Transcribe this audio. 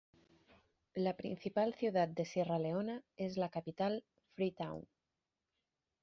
La principal ciudad de Sierra Leona es la capital, Freetown.